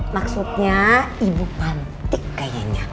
maksudnya ibu panti kayaknya